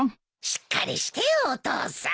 しっかりしてよお父さん。